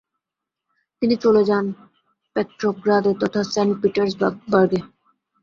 তিনি চলে যান পেত্রোগ্রাদে তথা সেন্ট পিটার্সবার্গে।